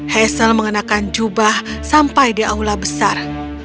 hazel mengenakan jubah sampai di aula besar